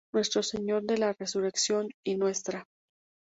Nuestro Señor de la Resurrección y Ntra.